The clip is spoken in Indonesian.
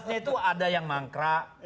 delapan belas nya itu ada yang mangkrak